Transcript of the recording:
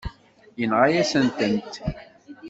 Yenɣa-yasent-tent.